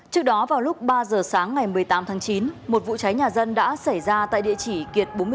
trước đó vào lúc ba giờ sáng ngày một mươi tám tháng chín một vụ cháy nhà dân đã xảy ra tại địa chỉ kiệt bốn mươi chín